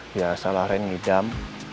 biasalah ren ngidam